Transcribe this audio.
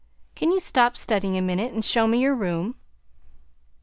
"Can you stop studying a minute and show me your room?